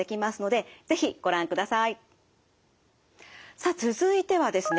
さあ続いてはですね